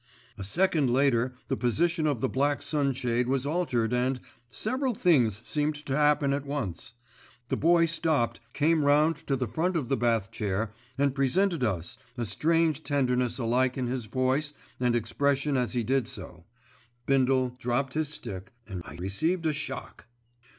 A second later the position of the black sunshade was altered and—several things seemed to happen all at once. The Boy stopped, came round to the front of the bath chair and presented us, a strange tenderness alike in his voice and expression as he did so, Bindle dropped his stick and I received a shock.